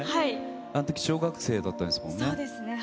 あんとき、小学生だったんですもそうですね。